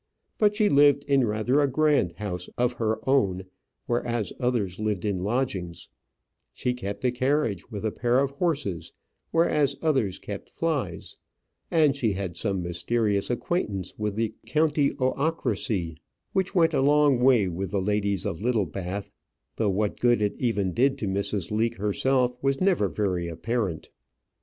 But she lived in rather a grand house of her own, whereas others lived in lodgings; she kept a carriage with a pair of horses, whereas others kept flies; and she had some mysterious acquaintance with the countyocracy which went a long way with the ladies of Littlebath; though what good it even did to Mrs. Leake herself was never very apparent.